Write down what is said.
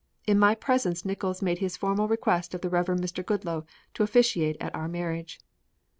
In my presence Nickols made his formal request of the Reverend Mr. Goodloe to officiate at our marriage.